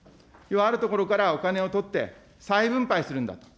あるところからお金を取って再分配するんだと。